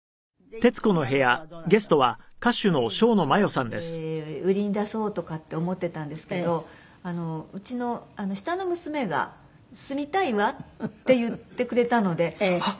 奇麗にして売りに出そうとかって思ってたんですけどうちの下の娘が「住みたいわ」って言ってくれたのであっ